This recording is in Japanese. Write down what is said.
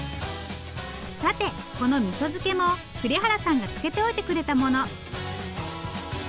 さてこのみそ漬けも栗原さんが漬けておいてくれたもの。